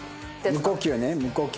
無呼吸ね無呼吸。